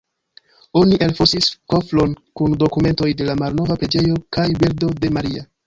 Oni elfosis kofron kun dokumentoj de la malnova preĝejo kaj bildo de Maria.